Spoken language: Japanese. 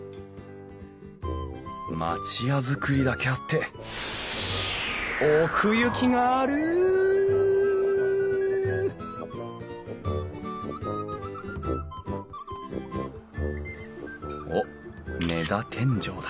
町屋造りだけあって奥行きがあるおっ根太天井だ。